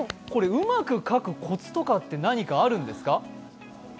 うまく描くコツとか何かあるんですか？